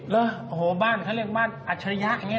และบ้านเขาเรียกบ้านอัชริยะอย่างนี้นะ